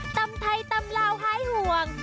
ต้ำไทยต้ำราวไฮห่วง